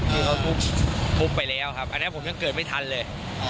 คือเขาทุบไปแล้วครับอันนี้ผมยังเกิดไม่ทันเลย